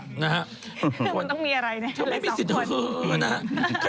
มันต้องมีอะไรเนี่ยใส่สองคนจะไม่มีสิทธิ์ุ่นนะ